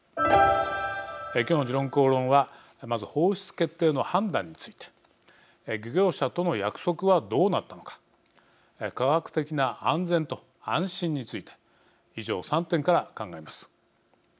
今日の「時論公論」はまず、放出決定の判断について漁業者との約束はどうなったのか科学的な安全と安心について以上３点から考えます。